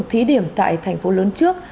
một thí điểm tại thành phố lớn trước